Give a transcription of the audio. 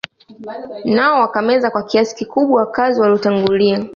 Nao wakameza kwa kiasi kikubwa wakazi waliotangulia